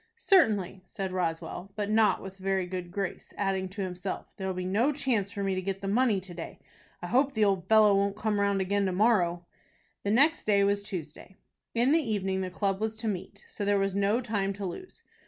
"Certainly," said Roswell, but not with a very good grace, adding to himself; "there'll be no chance for me to get the money to day. I hope the old fellow won't come round again to morrow." The next day was Tuesday. In the evening the club was to meet, so there was no time to lose.